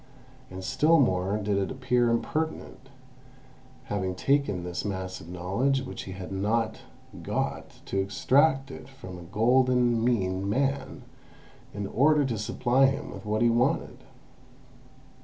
And still more did it appear impertinent, having taken this mass of knowledge which he had not got, to extract from it a golden mean man, in order to supply him with what he wanted.